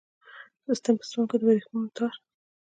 د ستن په سپم کې د وریښمو د تار